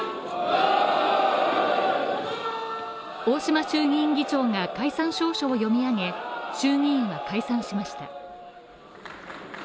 大島衆議院議長が解散詔書を読み上げ衆議院は解散しました。